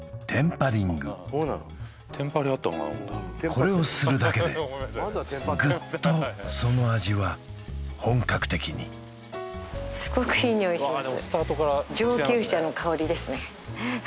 これをするだけでグッとその味は本格的にすごくいい匂いします